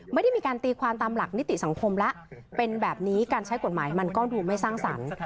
ไม่ได้มีการตีความตามหลักนิติสังคมแล้วเป็นแบบนี้การใช้กฎหมายมันก็ดูไม่สร้างสรรค์